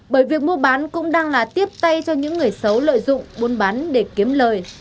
bởi việc mua bán cũng đang là tiếp tay cho những người xấu lợi dụng buôn bán để kiếm lời